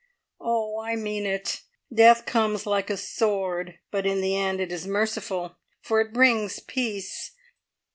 "Oh, I mean it. Death comes like a sword, but in the end it is merciful, for it brings peace.